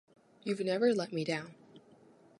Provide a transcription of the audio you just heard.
You’ve never let me down.